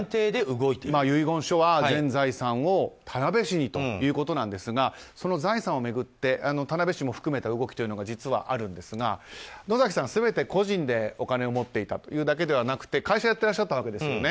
遺言書では、全財産を田辺市にということなんですがその財産を巡って田辺市も含めた動きというのが実はあるんですが野崎さん、全て個人でお金を持っていたというだけではなくて会社をやってらっしゃったわけですよね。